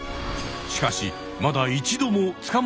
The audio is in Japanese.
しかしまだ一度も左から。